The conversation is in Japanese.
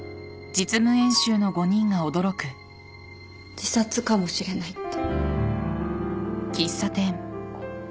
自殺かもしれないって。